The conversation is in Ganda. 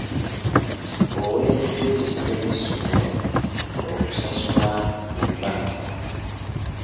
Oweereddwa ebisale by’essomero okubisasula mu bbanka.